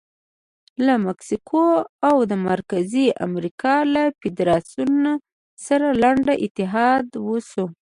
له مکسیکو او د مرکزي امریکا له فدراسیون سره لنډ اتحاد وشو.